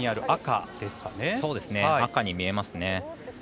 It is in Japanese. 赤に見えますね。